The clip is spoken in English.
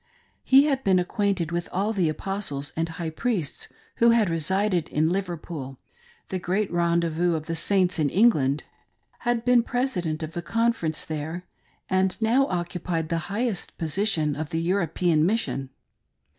He had been acquainted with all the Apostles and High priests who had resided in Liverpool — the great rendezvous of the Saints in England ; had been President pf the Confer ence there, and now occupied the highest position of the European mission.